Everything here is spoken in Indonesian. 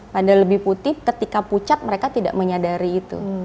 padahal lebih putih ketika pucat mereka tidak menyadari itu